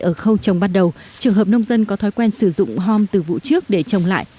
ở khâu trồng bắt đầu trường hợp nông dân có thói quen sử dụng hom từ vụ trước để trồng lại